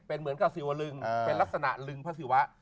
เป็นเหมือนค่ะซีวรึงเป็นลักษณะลึงและภาษีพระความสว่า